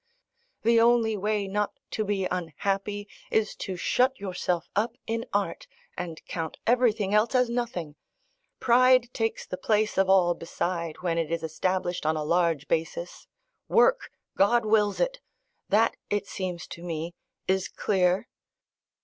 The only way not to be unhappy is to shut yourself up in art, and count everything else as nothing. Pride takes the place of all beside when it is established on a large basis. Work! God wills it. That, it seems to me, is clear.